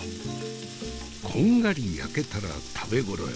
こんがり焼けたら食べ頃よ。